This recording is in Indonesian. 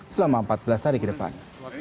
selama empat belas hari ke depan